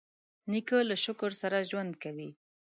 نیکه له شکر سره ژوند کوي.